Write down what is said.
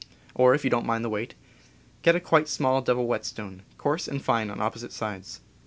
Or, if you don't mind the weight, get a quite small double whetstone, coarse and fine on opposite sides.